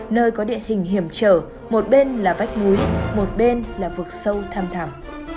nơi có địa hình hiểm trở một bên là vách múi một bên là vực sâu tham thảm